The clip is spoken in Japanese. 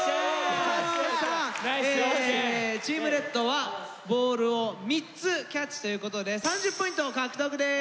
さあチームレッドはボールを３つキャッチということで３０ポイント獲得です。